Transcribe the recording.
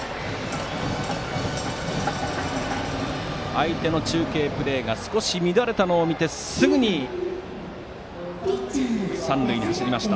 相手の中継プレーが少し乱れたのを見てすぐに三塁に走りました。